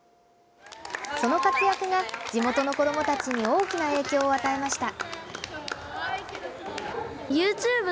その活躍が、地元の子どもたちに大きな影響を与えました。